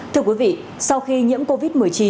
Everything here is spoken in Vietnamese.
thưa quý vị sau khi nhiễm covid một mươi chín